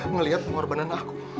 ngelihat pengorbanan aku